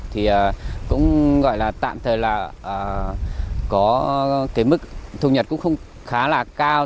thì cũng gọi là tạm thời là có cái mức thu nhật cũng khá là cao